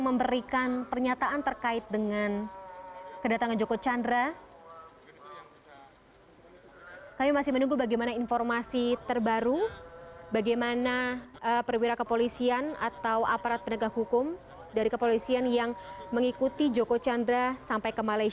memantau bagaimana kondisi penangkapan joko chandra